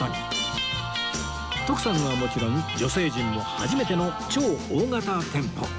徳さんはもちろん女性陣も初めての超大型店舗